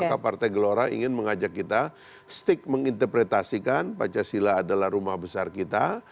karena partai gelora ingin mengajak kita stick menginterpretasikan pancasila adalah rumah besar kita